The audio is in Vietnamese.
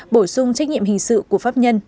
bổ sung trách nhiệm hình sự của pháp nhân